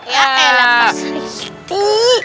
ya elah pas riti